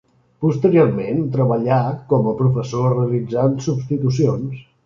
Posteriorment treballà com a professor realitzant substitucions.